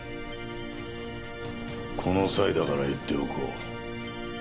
この際だから言っておこう。